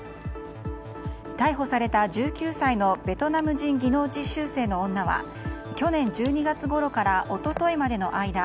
逮捕された１９歳のベトナム人技能実習生の女は去年１２月ごろから一昨日までの間